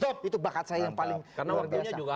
stop itu bakat saya yang paling luar biasa